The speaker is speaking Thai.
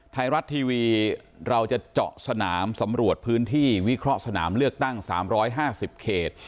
ไทยรัฐทีวีเราจะเจาะสนามสำรวจพื้นที่วิเคราะห์สนามเลือกตั้ง๓๕๐เขต